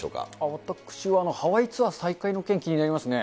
私はハワイツアー再開の件、気になりますね。